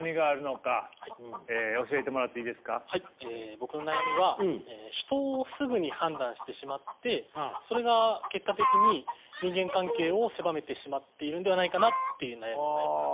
僕の悩みは人をすぐに判断してしまってそれが結果的に人間関係を狭めてしまっているのではないかなっていう悩みになります。